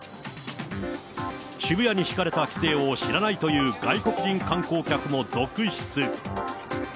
渋谷に敷かれた規制を知らないという外国人観光客も続出。